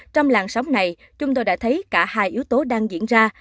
trong làng sóng này chúng tôi đã thấy cả hai yếu tố đang diễn ra